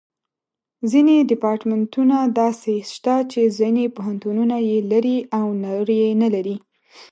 ځینې ډیپارټمنټونه داسې شته چې ځینې پوهنتونونه یې لري او نور یې نه لري.